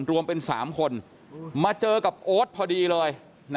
รวมเป็น๓คนมาเจอกับโอ๊ตพอดีเลย